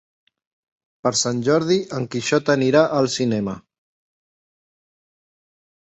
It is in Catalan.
Per Sant Jordi en Quixot anirà al cinema.